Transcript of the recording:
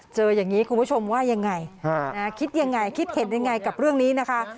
เจออย่างนี้คุณผู้ชมว่ายังไงคิดยังไงคิดเห็นยังไงกับเรื่องนี้นะคะ